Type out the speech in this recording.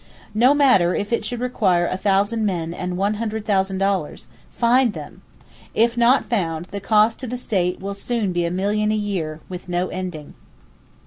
No matter if it should require a thousand men and $100,000, find them! If not found, the cost to the state will soon be a million a year, with no ending.